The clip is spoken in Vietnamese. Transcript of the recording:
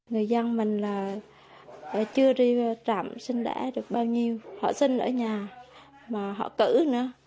chưa đi trạm sinh lễ được bao nhiêu họ sinh ở nhà mà họ cử nữa